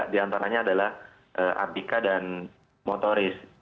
tiga diantaranya adalah abika dan motoris